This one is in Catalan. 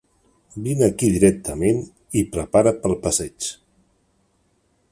Vine aquí directament, i prepara't pel passeig!